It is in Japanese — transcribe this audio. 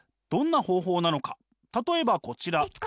例えばこちら。